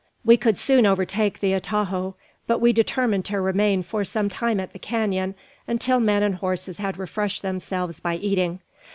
We could soon overtake the atajo; but we determined to remain for some time at the canon, until men and horses had refreshed themselves by eating.